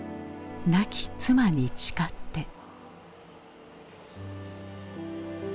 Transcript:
亡き妻に誓って。